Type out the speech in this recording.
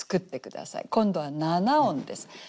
今度は七音です。